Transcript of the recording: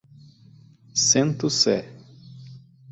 Sento Sé